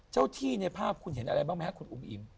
เจ้าที่ในภาพคุณเห็นอะไรบ้างไหมครับคุณอุ๋มอิ่ม